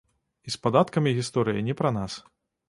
І з падаткамі гісторыя не пра нас.